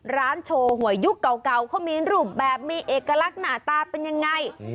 ร้านโชว์หวยยุคเก่าเขามีรูปแบบมีเอกลักษณ์หน้าตาเป็นยังไง